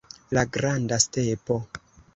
La granda stepo.